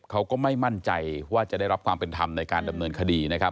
เขาก็ไม่มั่นใจว่าจะได้รับความเป็นธรรมในการดำเนินคดีนะครับ